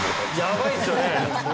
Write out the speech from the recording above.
やばいですよね！